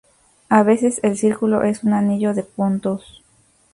A veces el círculo es un anillo de puntos.